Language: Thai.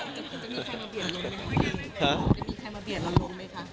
จะมีใครมาเบียนลงไปได้ด้วย